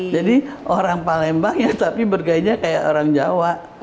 jadi orang palembangnya tapi bergainya kayak orang jawa